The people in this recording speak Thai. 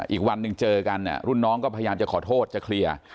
อีกวันหนึ่งเจอกันเนี่ยรุ่นน้องก็พยายามจะขอโทษจะเคลียร์